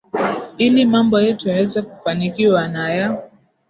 ili mambo yetu yaweze kufanikiwa naya